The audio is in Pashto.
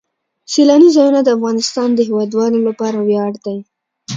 سیلانی ځایونه د افغانستان د هیوادوالو لپاره ویاړ دی.